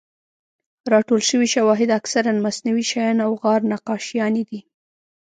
راټول شوي شواهد اکثراً مصنوعي شیان او غار نقاشیانې دي.